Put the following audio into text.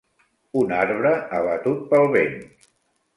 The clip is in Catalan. Un arbre abatut pel vent.